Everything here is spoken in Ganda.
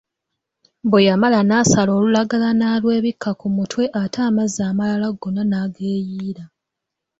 Bwe yamala n'asala olulagala n'alwebikka ku mutwe ate amazzi amalala gonna n'ageeyiira.